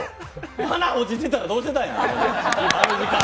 鼻ほじってたらどうしたんや！